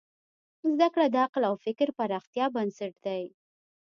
زدهکړه د عقل او فکر پراختیا بنسټ دی.